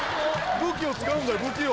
武器を使うんだ、武器を。